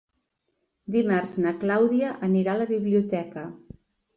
Dimarts na Clàudia anirà a la biblioteca.